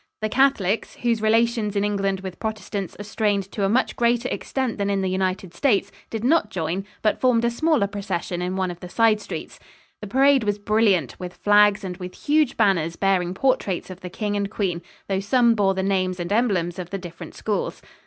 The Catholics, whose relations in England with Protestants are strained to a much greater extent than in the United States, did not join, but formed a smaller procession in one of the side streets. The parade was brilliant with flags and with huge banners bearing portraits of the King and Queen, though some bore the names and emblems of the different schools.